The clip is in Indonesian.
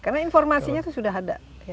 karena informasinya itu sudah ada